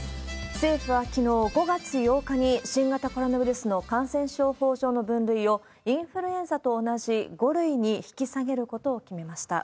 政府はきのう、５月８日に、新型コロナウイルスの感染症法上の分類をインフルエンザと同じ、５類に引き下げることを決めました。